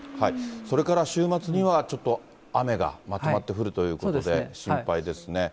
それから週末にはちょっと雨がまとまって降るということで心配ですね。